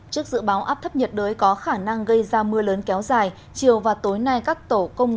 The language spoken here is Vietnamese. trước dự báo áp thấp nhiệt đới có khả năng gây ra mưa lớn kéo dài chiều và tối nay các tổ công